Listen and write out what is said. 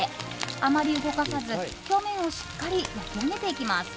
あまり動かさず表面をしっかり焼き上げていきます。